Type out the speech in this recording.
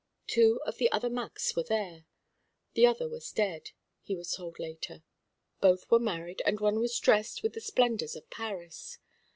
Two of the "Macs" were there; the other was dead, he was told later. Both were married, and one was dressed with the splendours of Paris.